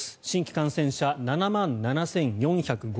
新規感染者、７万７４５３人。